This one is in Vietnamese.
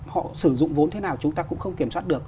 họ sử dụng vốn thế nào chúng ta cũng không kiểm soát được